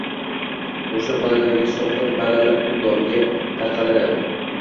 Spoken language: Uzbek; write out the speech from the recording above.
qo`shni xonadondagi shovqin baralla butun domga tarqaladi